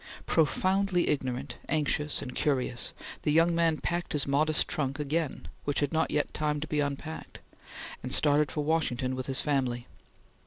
Profoundly ignorant, anxious, and curious, the young man packed his modest trunk again, which had not yet time to be unpacked, and started for Washington with his family.